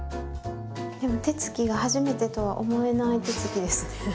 手つきが初めてとは思えない手つきですね。